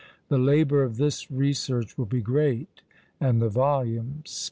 The labour of this research will be great, and the volume small!